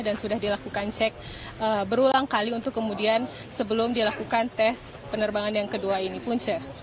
dan sudah dilakukan cek berulang kali untuk kemudian sebelum dilakukan tes penerbangan yang kedua ini pun